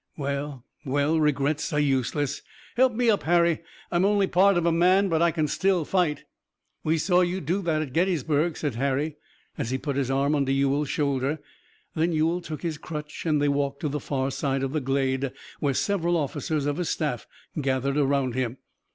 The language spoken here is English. "Well, well, regrets are useless. Help me up, Harry. I'm only part of a man, but I can still fight." "We saw you do that at Gettysburg," said Harry, as he put his arm under Ewell's shoulder. Then Ewell took his crutch and they walked to the far side of the glade, where several officers of his staff gathered around him.